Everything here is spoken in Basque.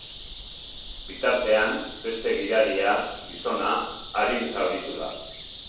Bitartean, beste gidaria, gizona, arin zauritu da.